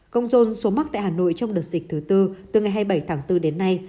công rôn số mắc tại hà nội trong đợt dịch thứ tư từ ngày hai mươi bảy tháng bốn đến nay